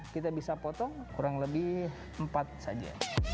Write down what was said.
kita bisa potong kurang lebih empat saja